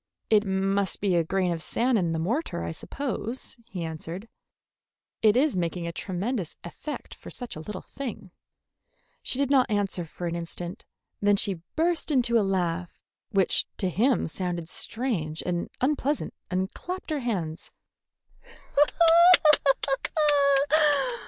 "It must be a grain of sand in the mortar, I suppose," he answered. "It is making a tremendous effect for such a little thing." She did not answer for an instant. Then she burst into a laugh which to him sounded strange and unpleasant, and clapped her hands.